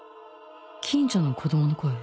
近所の子供の声？